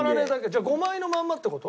じゃあ５枚のまんまって事？